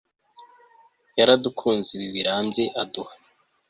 yaradukunze ibi birambye; aduha